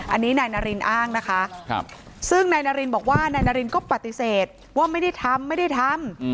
อันนี้นายนารินอ้างนะคะซึ่งนายนารินบอกว่านายนารินก็ปฏิเสธว่าไม่ได้ทำไม่ได้ทำ